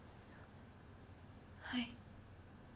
はい。